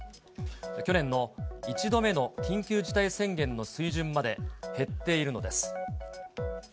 去年の１度目の緊急事態宣言の水準まで減っているのです。